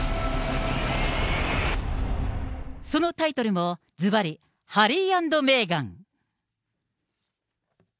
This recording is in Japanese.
そのタイトルもずばり、ハリー＆メーガン。